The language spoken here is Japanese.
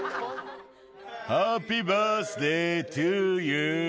ハッピー・バースデー・トゥ・ユー。